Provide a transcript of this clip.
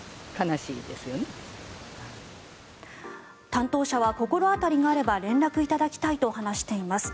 担当者は心当たりがあれば連絡いただきたいと話しています。